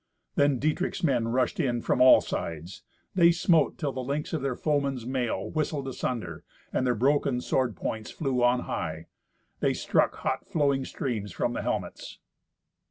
Then Dietrich's men rushed in from all sides. They smote till the links of their foemen's mail whistled asunder, and their broken sword points flew on high. They struck hot flowing streams from the helmets.